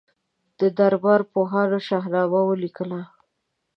د دربار پوهانو شاهنامه ولیکله.